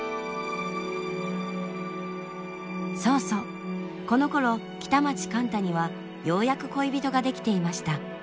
そうそうこのころ北町貫多にはようやく恋人ができていました。